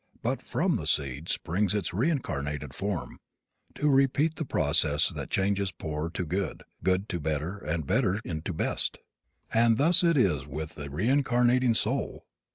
But from the seed springs its reincarnated form, to repeat the process that changes poor to good, good to better and better into best. And thus it is with the reincarnating soul.